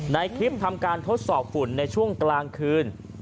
ในคลิปทำการทดสอบฝุ่นในช่วงกลางคืน